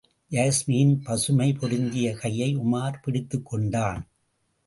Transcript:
யாஸ்மியின் பசுமை பொருந்திய கையை உமார் பிடித்துக் கொண்டான்.